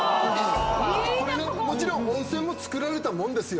これねもちろん温泉も造られたもんですよ。